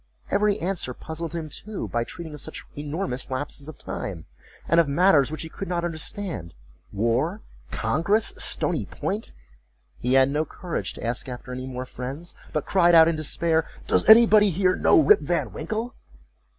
Every answer puzzled him too, by treating of such enormous lapses of time, and of matters which he could not understand: war—congress—Stony Point;—he had no courage to ask after any more friends, but cried out in despair, "Does nobody here know Rip Van Winkle?"